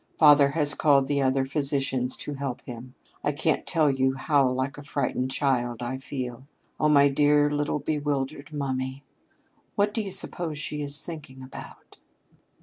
Father has called in other physicians to help him. I can't tell you how like a frightened child I feel. Oh, my poor little bewildered mummy! What do you suppose she is thinking about?"